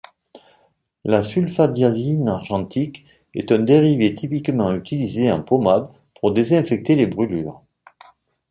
La sulfadiazine argentique est un dérivé typiquement utilisé en pommade pour désinfecter les brûlures.